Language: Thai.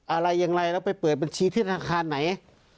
อะไรอย่างไรแล้วไปเปิดบัญชีที่ธนาคารไหน